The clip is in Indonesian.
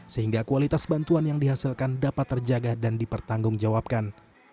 sehingga kualitas bantuan yang dihasilkan dapat terjaga dan dipertanggungjawabkan